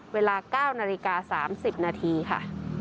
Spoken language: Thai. เวลา๙นาฬิกา๓๐นาทีค่ะ